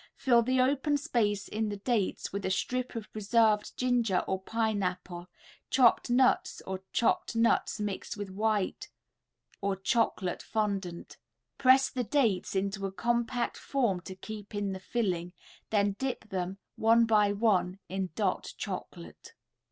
Fill the open space in the dates with a strip of preserved ginger or pineapple, chopped nuts or chopped nuts mixed with white or chocolate fondant; press the dates into a compact form to keep in the filling, then dip them, one by one, in "Dot" Chocolate.